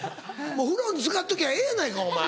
風呂につかっときゃええやないかお前。